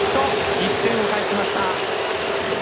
１点を返しました。